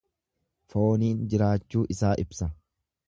Fooniin jiraachuu isaa ibsa.